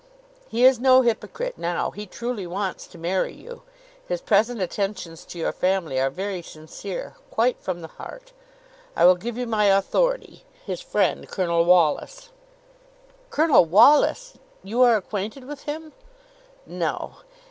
He is no hypocrite now. He truly wants to marry you. His present attentions to your family are very sincere: quite from the heart. I will give you my authority: his friend Colonel Wallis." "Colonel Wallis! you are acquainted with him?" "No.